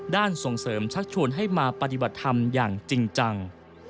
ส่งเสริมชักชวนให้มาปฏิบัติธรรมอย่างจริงจัง